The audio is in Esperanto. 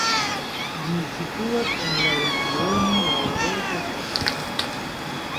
Ĝi situas en la Regiono Marborda-Karsta.